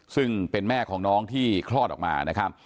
ซึ่งเป็นแม่ของน้องที่คลอดออกมานะครับ